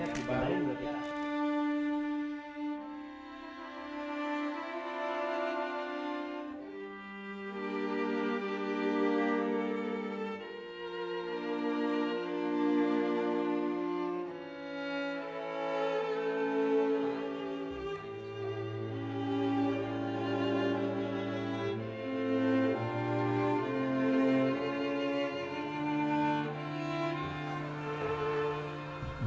ya lupa nih